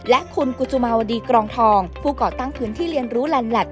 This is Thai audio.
และคุณกุจุมาวดีกรองทองผู้ก่อตั้งพื้นที่เรียนรู้แลนแลต